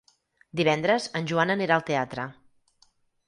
Divendres en Joan anirà al teatre.